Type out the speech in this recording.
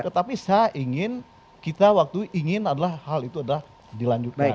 tetapi saya ingin kita waktu ingin adalah hal itu adalah dilanjutkan